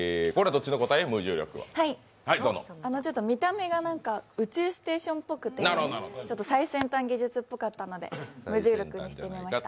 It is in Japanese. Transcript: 見た目が宇宙ステーションっぽくて、最先端技術っぽかったので無重力にしてみました。